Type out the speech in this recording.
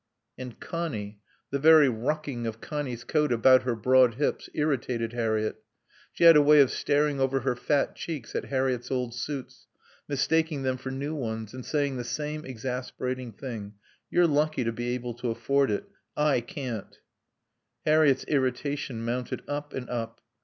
And Connie the very rucking of Connie's coat about her broad hips irritated Harriett. She had a way of staring over her fat cheeks at Harriett's old suits, mistaking them for new ones, and saying the same exasperating thing. "You're lucky to be able to afford it. I can't." Harriett's irritation mounted up and up.